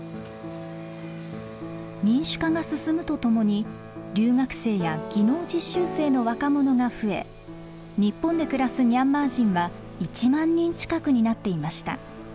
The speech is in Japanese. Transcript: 民主化が進むとともに留学生や技能実習生の若者が増え日本で暮らすミャンマー人は１万人近くになっていました。